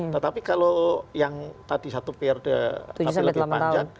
tetapi kalau yang tadi satu periode tapi lebih panjang